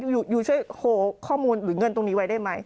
อยู่ช่วยโหข้อมูลหรือเงินตรงนี้ไว้ได้ไหม